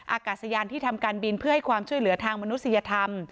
อากาศยานที่ทำการบินเพื่อให้ความช่วยเหลือทางมนุษยธรรม